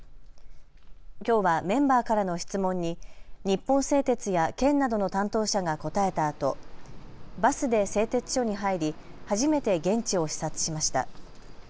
きょうはメンバーからの質問に日本製鉄や県などの担当者が答えたあとバスで製鉄所に入り初めて現地を視察しました。